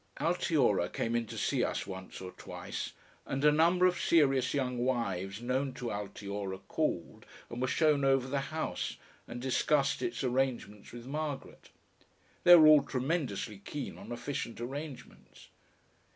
Altiora came in to see us once or twice, and a number of serious young wives known to Altiora called and were shown over the house, and discussed its arrangements with Margaret. They were all tremendously keen on efficient arrangements.